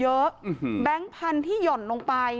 เยอะแบงค์พันที่หย่อนลงไป